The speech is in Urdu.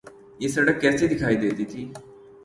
یہ سڑک کیسی دکھائی دیتی تھی۔